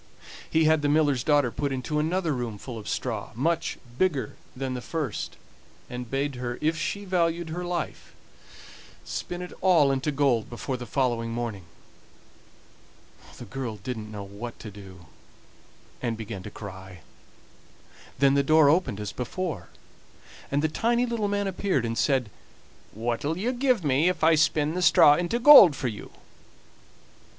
He had the miller's daughter put into another room full of straw, much bigger than the first, and bade her, if she valued her life, spin it all into gold before the following morning. The girl didn't know what to do, and began to cry; then the door opened as before, and the tiny little man appeared and said: "What'll you give me if I spin the straw into gold for you?"